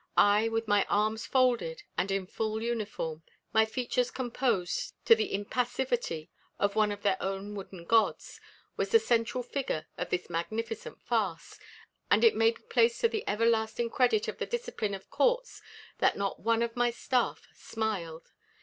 I, with my arms folded and in full uniform, my features composed to the impassivity of one of their own wooden gods, was the central figure of this magnificent farce; and it may be placed to the ever lasting credit of the discipline of courts that not one of my staff smiled.